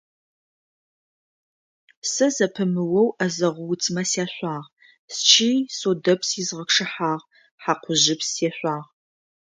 Сэ зэпымыоу ӏэзэгъу уцмэ сяшъуагъ, счый содэпс изгъэчъыхьагъ, хьакъужъыпс сешъуагъ.